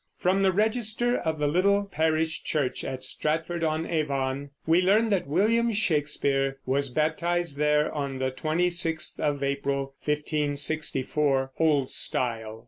From the register of the little parish church at Stratford on Avon we learn that William Shakespeare was baptized there on the twenty sixth of April, 1564 (old style).